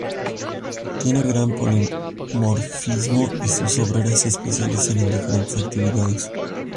Tiene gran polimorfismo y sus obreras se especializan en diferentes actividades.